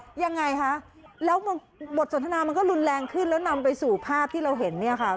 ยังไงคะแล้วบทสนทนามันก็รุนแรงขึ้นแล้วนำไปสู่ภาพที่เราเห็นเนี่ยค่ะ